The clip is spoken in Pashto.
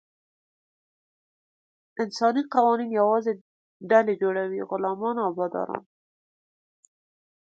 انساني قوانین یوازې ډلې جوړوي: غلامان او باداران.